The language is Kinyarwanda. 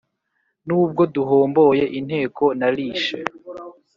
n'ubwo duhomboye inteko nalishe.